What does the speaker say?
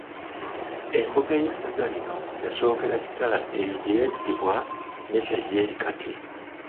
Embuga y’Essaza lino yasookera Kitala eyo gye yaggibwa n’edda gy’eri kati.